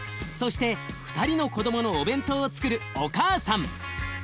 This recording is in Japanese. そして２人の子どものお弁当をつくるお母さん。